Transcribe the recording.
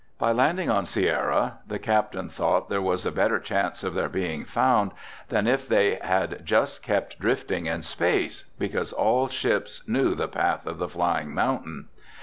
By landing on Sierra the captain thought there was a better chance of their being found than if they had just kept drifting in space, because all ships knew the path of "The Flying Mountain."